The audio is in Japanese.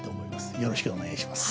よろしくお願いします。